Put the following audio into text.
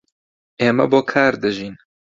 ئێمە بۆ کار دەژین.